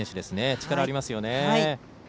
力、ありますよね。